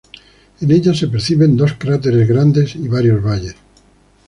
En ella se perciben dos cráteres grandes y varios valles.